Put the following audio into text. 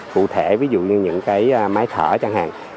cụ thể ví dụ như những cái máy thở chẳng hạn